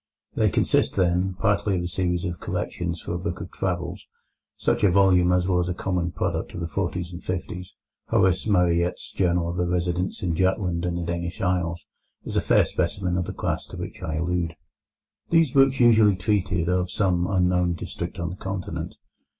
They consist, then, partly of a series of collections for a book of travels, such a volume as was a common product of the forties and fifties. Horace Marryat's Journal of a Residence in Jutland and the Danish Isles is a fair specimen of the class to which I allude. These books usually treated of some unknown district on the Continent.